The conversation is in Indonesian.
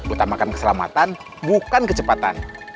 utamakan keselamatan bukan kecepatan